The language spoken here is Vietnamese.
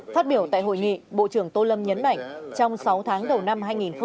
phát biểu tại hội nghị bộ trưởng tô lâm nhấn mạnh trong sáu tháng đầu năm hai nghìn hai mươi